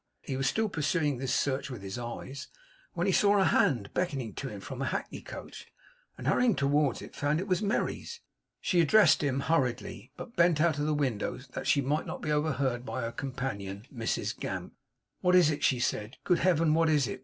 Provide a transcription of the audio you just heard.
He was still pursuing this search with his eyes, when he saw a hand beckoning to him from a hackney coach; and hurrying towards it, found it was Merry's. She addressed him hurriedly, but bent out of the window, that she might not be overheard by her companion, Mrs Gamp. 'What is it?' she said. 'Good heaven, what is it?